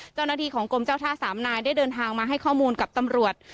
เจ้าหน้าที่ของกรมเจ้าท่าสามนายได้เดินทางมาให้ข้อมูลกับตำรวจ